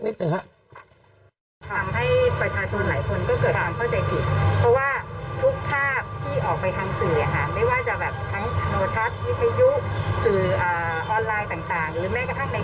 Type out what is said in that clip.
พี่ปุ่ยเป็นหนึ่งใน๒๑และ๒๕คนนั้นค่ะ